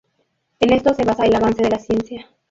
En esto se basa el avance de la ciencia.